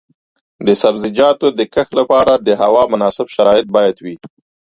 د سبزیجاتو د کښت لپاره د هوا مناسب شرایط باید وي.